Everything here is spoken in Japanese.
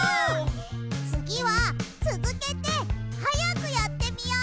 つぎはつづけてはやくやってみよ！